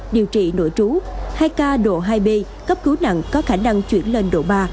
bị nội trú hai ca độ hai b cấp cứu nặng có khả năng chuyển lên độ ba